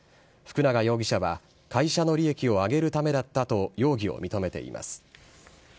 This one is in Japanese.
福永容疑者は、会社の利益を上げるためだったと容疑を認めています。